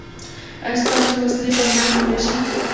ایا ستاسو وسلې به ماتې نه شي؟